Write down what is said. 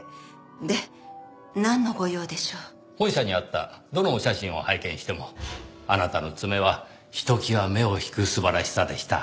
本社にあったどのお写真を拝見してもあなたの爪はひときわ目を引く素晴らしさでした。